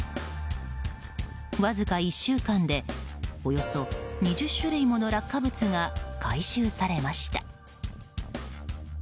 わずか１週間でおよそ２０種類もの落下物が回収されました。